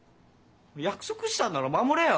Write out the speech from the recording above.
約束したんなら守れよ！